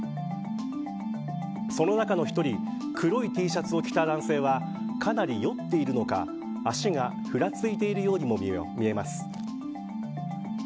その中の１人黒いＴシャツを着た男性はかなり酔っているのか足がふらついているようにも見えます。